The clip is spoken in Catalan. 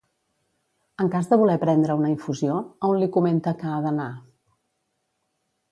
En cas de voler prendre una infusió, a on li comenta que ha d'anar?